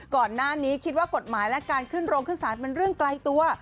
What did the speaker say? ก่อนหน้านี้คิดว่ากฎหมายและการขึ้นโรงขึ้นศาลมันเรื่องไกลตัว